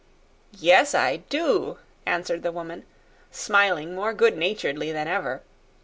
"Yes, I do," answered the woman, smiling more good naturedly than ever.